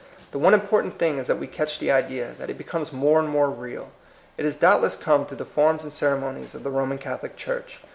The one important thing is that we catch the idea, that it become more and more real. It has doubtless come through the forms and ceremonies of the Roman Catholic Church.